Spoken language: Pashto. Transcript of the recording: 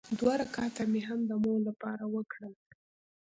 دوه رکعته مې هم د مور لپاره وکړل.